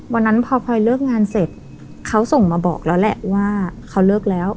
วันนั้นพอพลอยเลิกงานเสร็จเขาส่งมาบอกแล้วแหละว่าเขาเลิกแล้ว